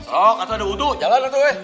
sok atu ada udu jalan atu eh